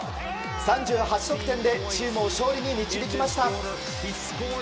３８得点でチームを勝利に導きました。